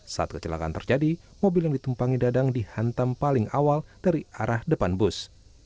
saat kecelakaan terjadi mobil yang ditumpangi dadang dihantam paling awal dari arah depan bus